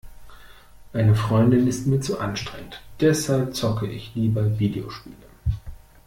Eine Freundin ist mir zu anstrengend, deshalb zocke ich lieber Videospiele.